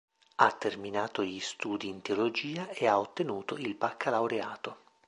Ha terminato gli studi in teologia e ha ottenuto il baccalaureato.